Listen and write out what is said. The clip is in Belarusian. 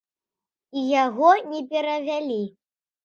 І яго не перавялі.